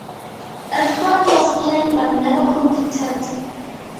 A fourth was planned but never completed.